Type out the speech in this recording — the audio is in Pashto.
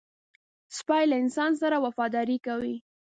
سپي له انسان سره وفاداري کوي.